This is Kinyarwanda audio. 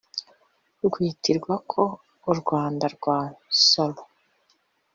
Rwitirwa ko u Rwanda rwa Nsoro